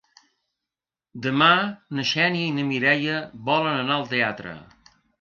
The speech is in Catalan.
Demà na Xènia i na Mireia volen anar al teatre.